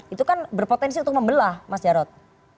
itu kan berpotensi untuk membelah mas jarod